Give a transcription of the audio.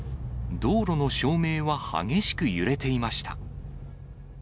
道路の照明は激しく揺れていました。